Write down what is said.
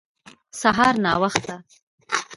سهار ناوخته